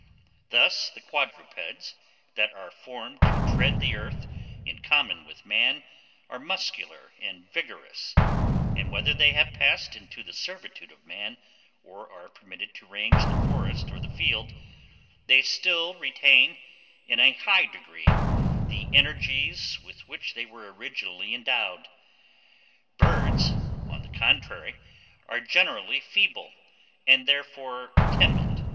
Thus the quadrupeds, that are formed to tread the earth in common with man, are muscular and vigorous; and, whether they have passed into the servitude of man, or are permitted to range the forest or the field, they still retain, in a high degree, the energies with which they were originally endowed. Birds, on the contrary, are generally feeble, and, therefore, timid.